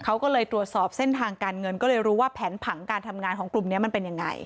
เขาก็เลยตรวจสอบเส้นทางการเงินก็เลยรู้ว่าแผนผังการทำงานของกลุ่มนี้มันเป็นยังไง